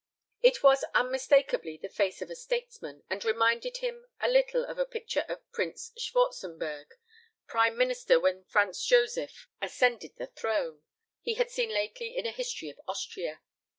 It was unmistakably the face of a statesman, and reminded him a little of a picture of Prince Schwarzenberg, prime minister when Franz Josef ascended the throne, he had seen lately in a history of Austria.